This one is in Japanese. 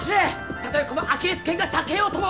たとえこのアキレス腱が裂けようとも！